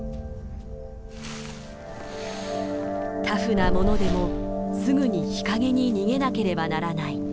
タフなものでもすぐに日陰に逃げなければならない。